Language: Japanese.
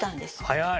早い！